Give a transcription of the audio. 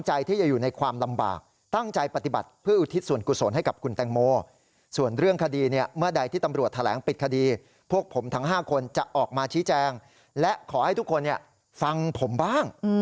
จะออกมาชี้แจงและขอให้ทุกคนฟังผมบ้าง